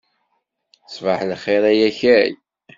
Ṣbaḥ lxir ay akal.